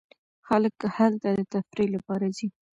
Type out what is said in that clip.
خلک هلته د تفریح لپاره ځي.